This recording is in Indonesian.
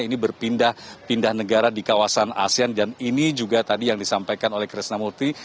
ini berpindah pindah negara di kawasan asean dan ini juga tadi yang disampaikan oleh krisna multi